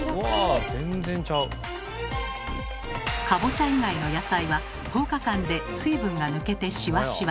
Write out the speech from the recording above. かぼちゃ以外の野菜は１０日間で水分が抜けてシワシワ。